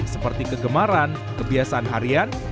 seperti kegemaran kebiasaan harian